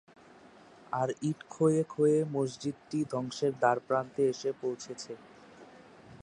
আর ইট ক্ষয়ে ক্ষয়ে মসজিদটি ধ্বংসের দ্বারপ্রান্তে এসে পৌঁছেছে।